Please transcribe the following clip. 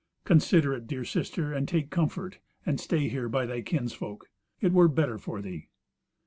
Consider it, dear sister, and take comfort and stay here by thy kinsfolk. It were better for thee."